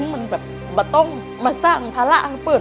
มันแบบไม่ต้องมาสร้างภาระครับเปลือน